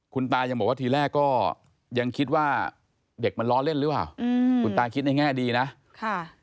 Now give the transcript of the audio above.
คุณตายังบอกว่าทีแรกก็ยังคิดว่าเด็กมันล้อเล่นหรือเปล่าอืมคุณตาคิดในแง่ดีนะค่ะ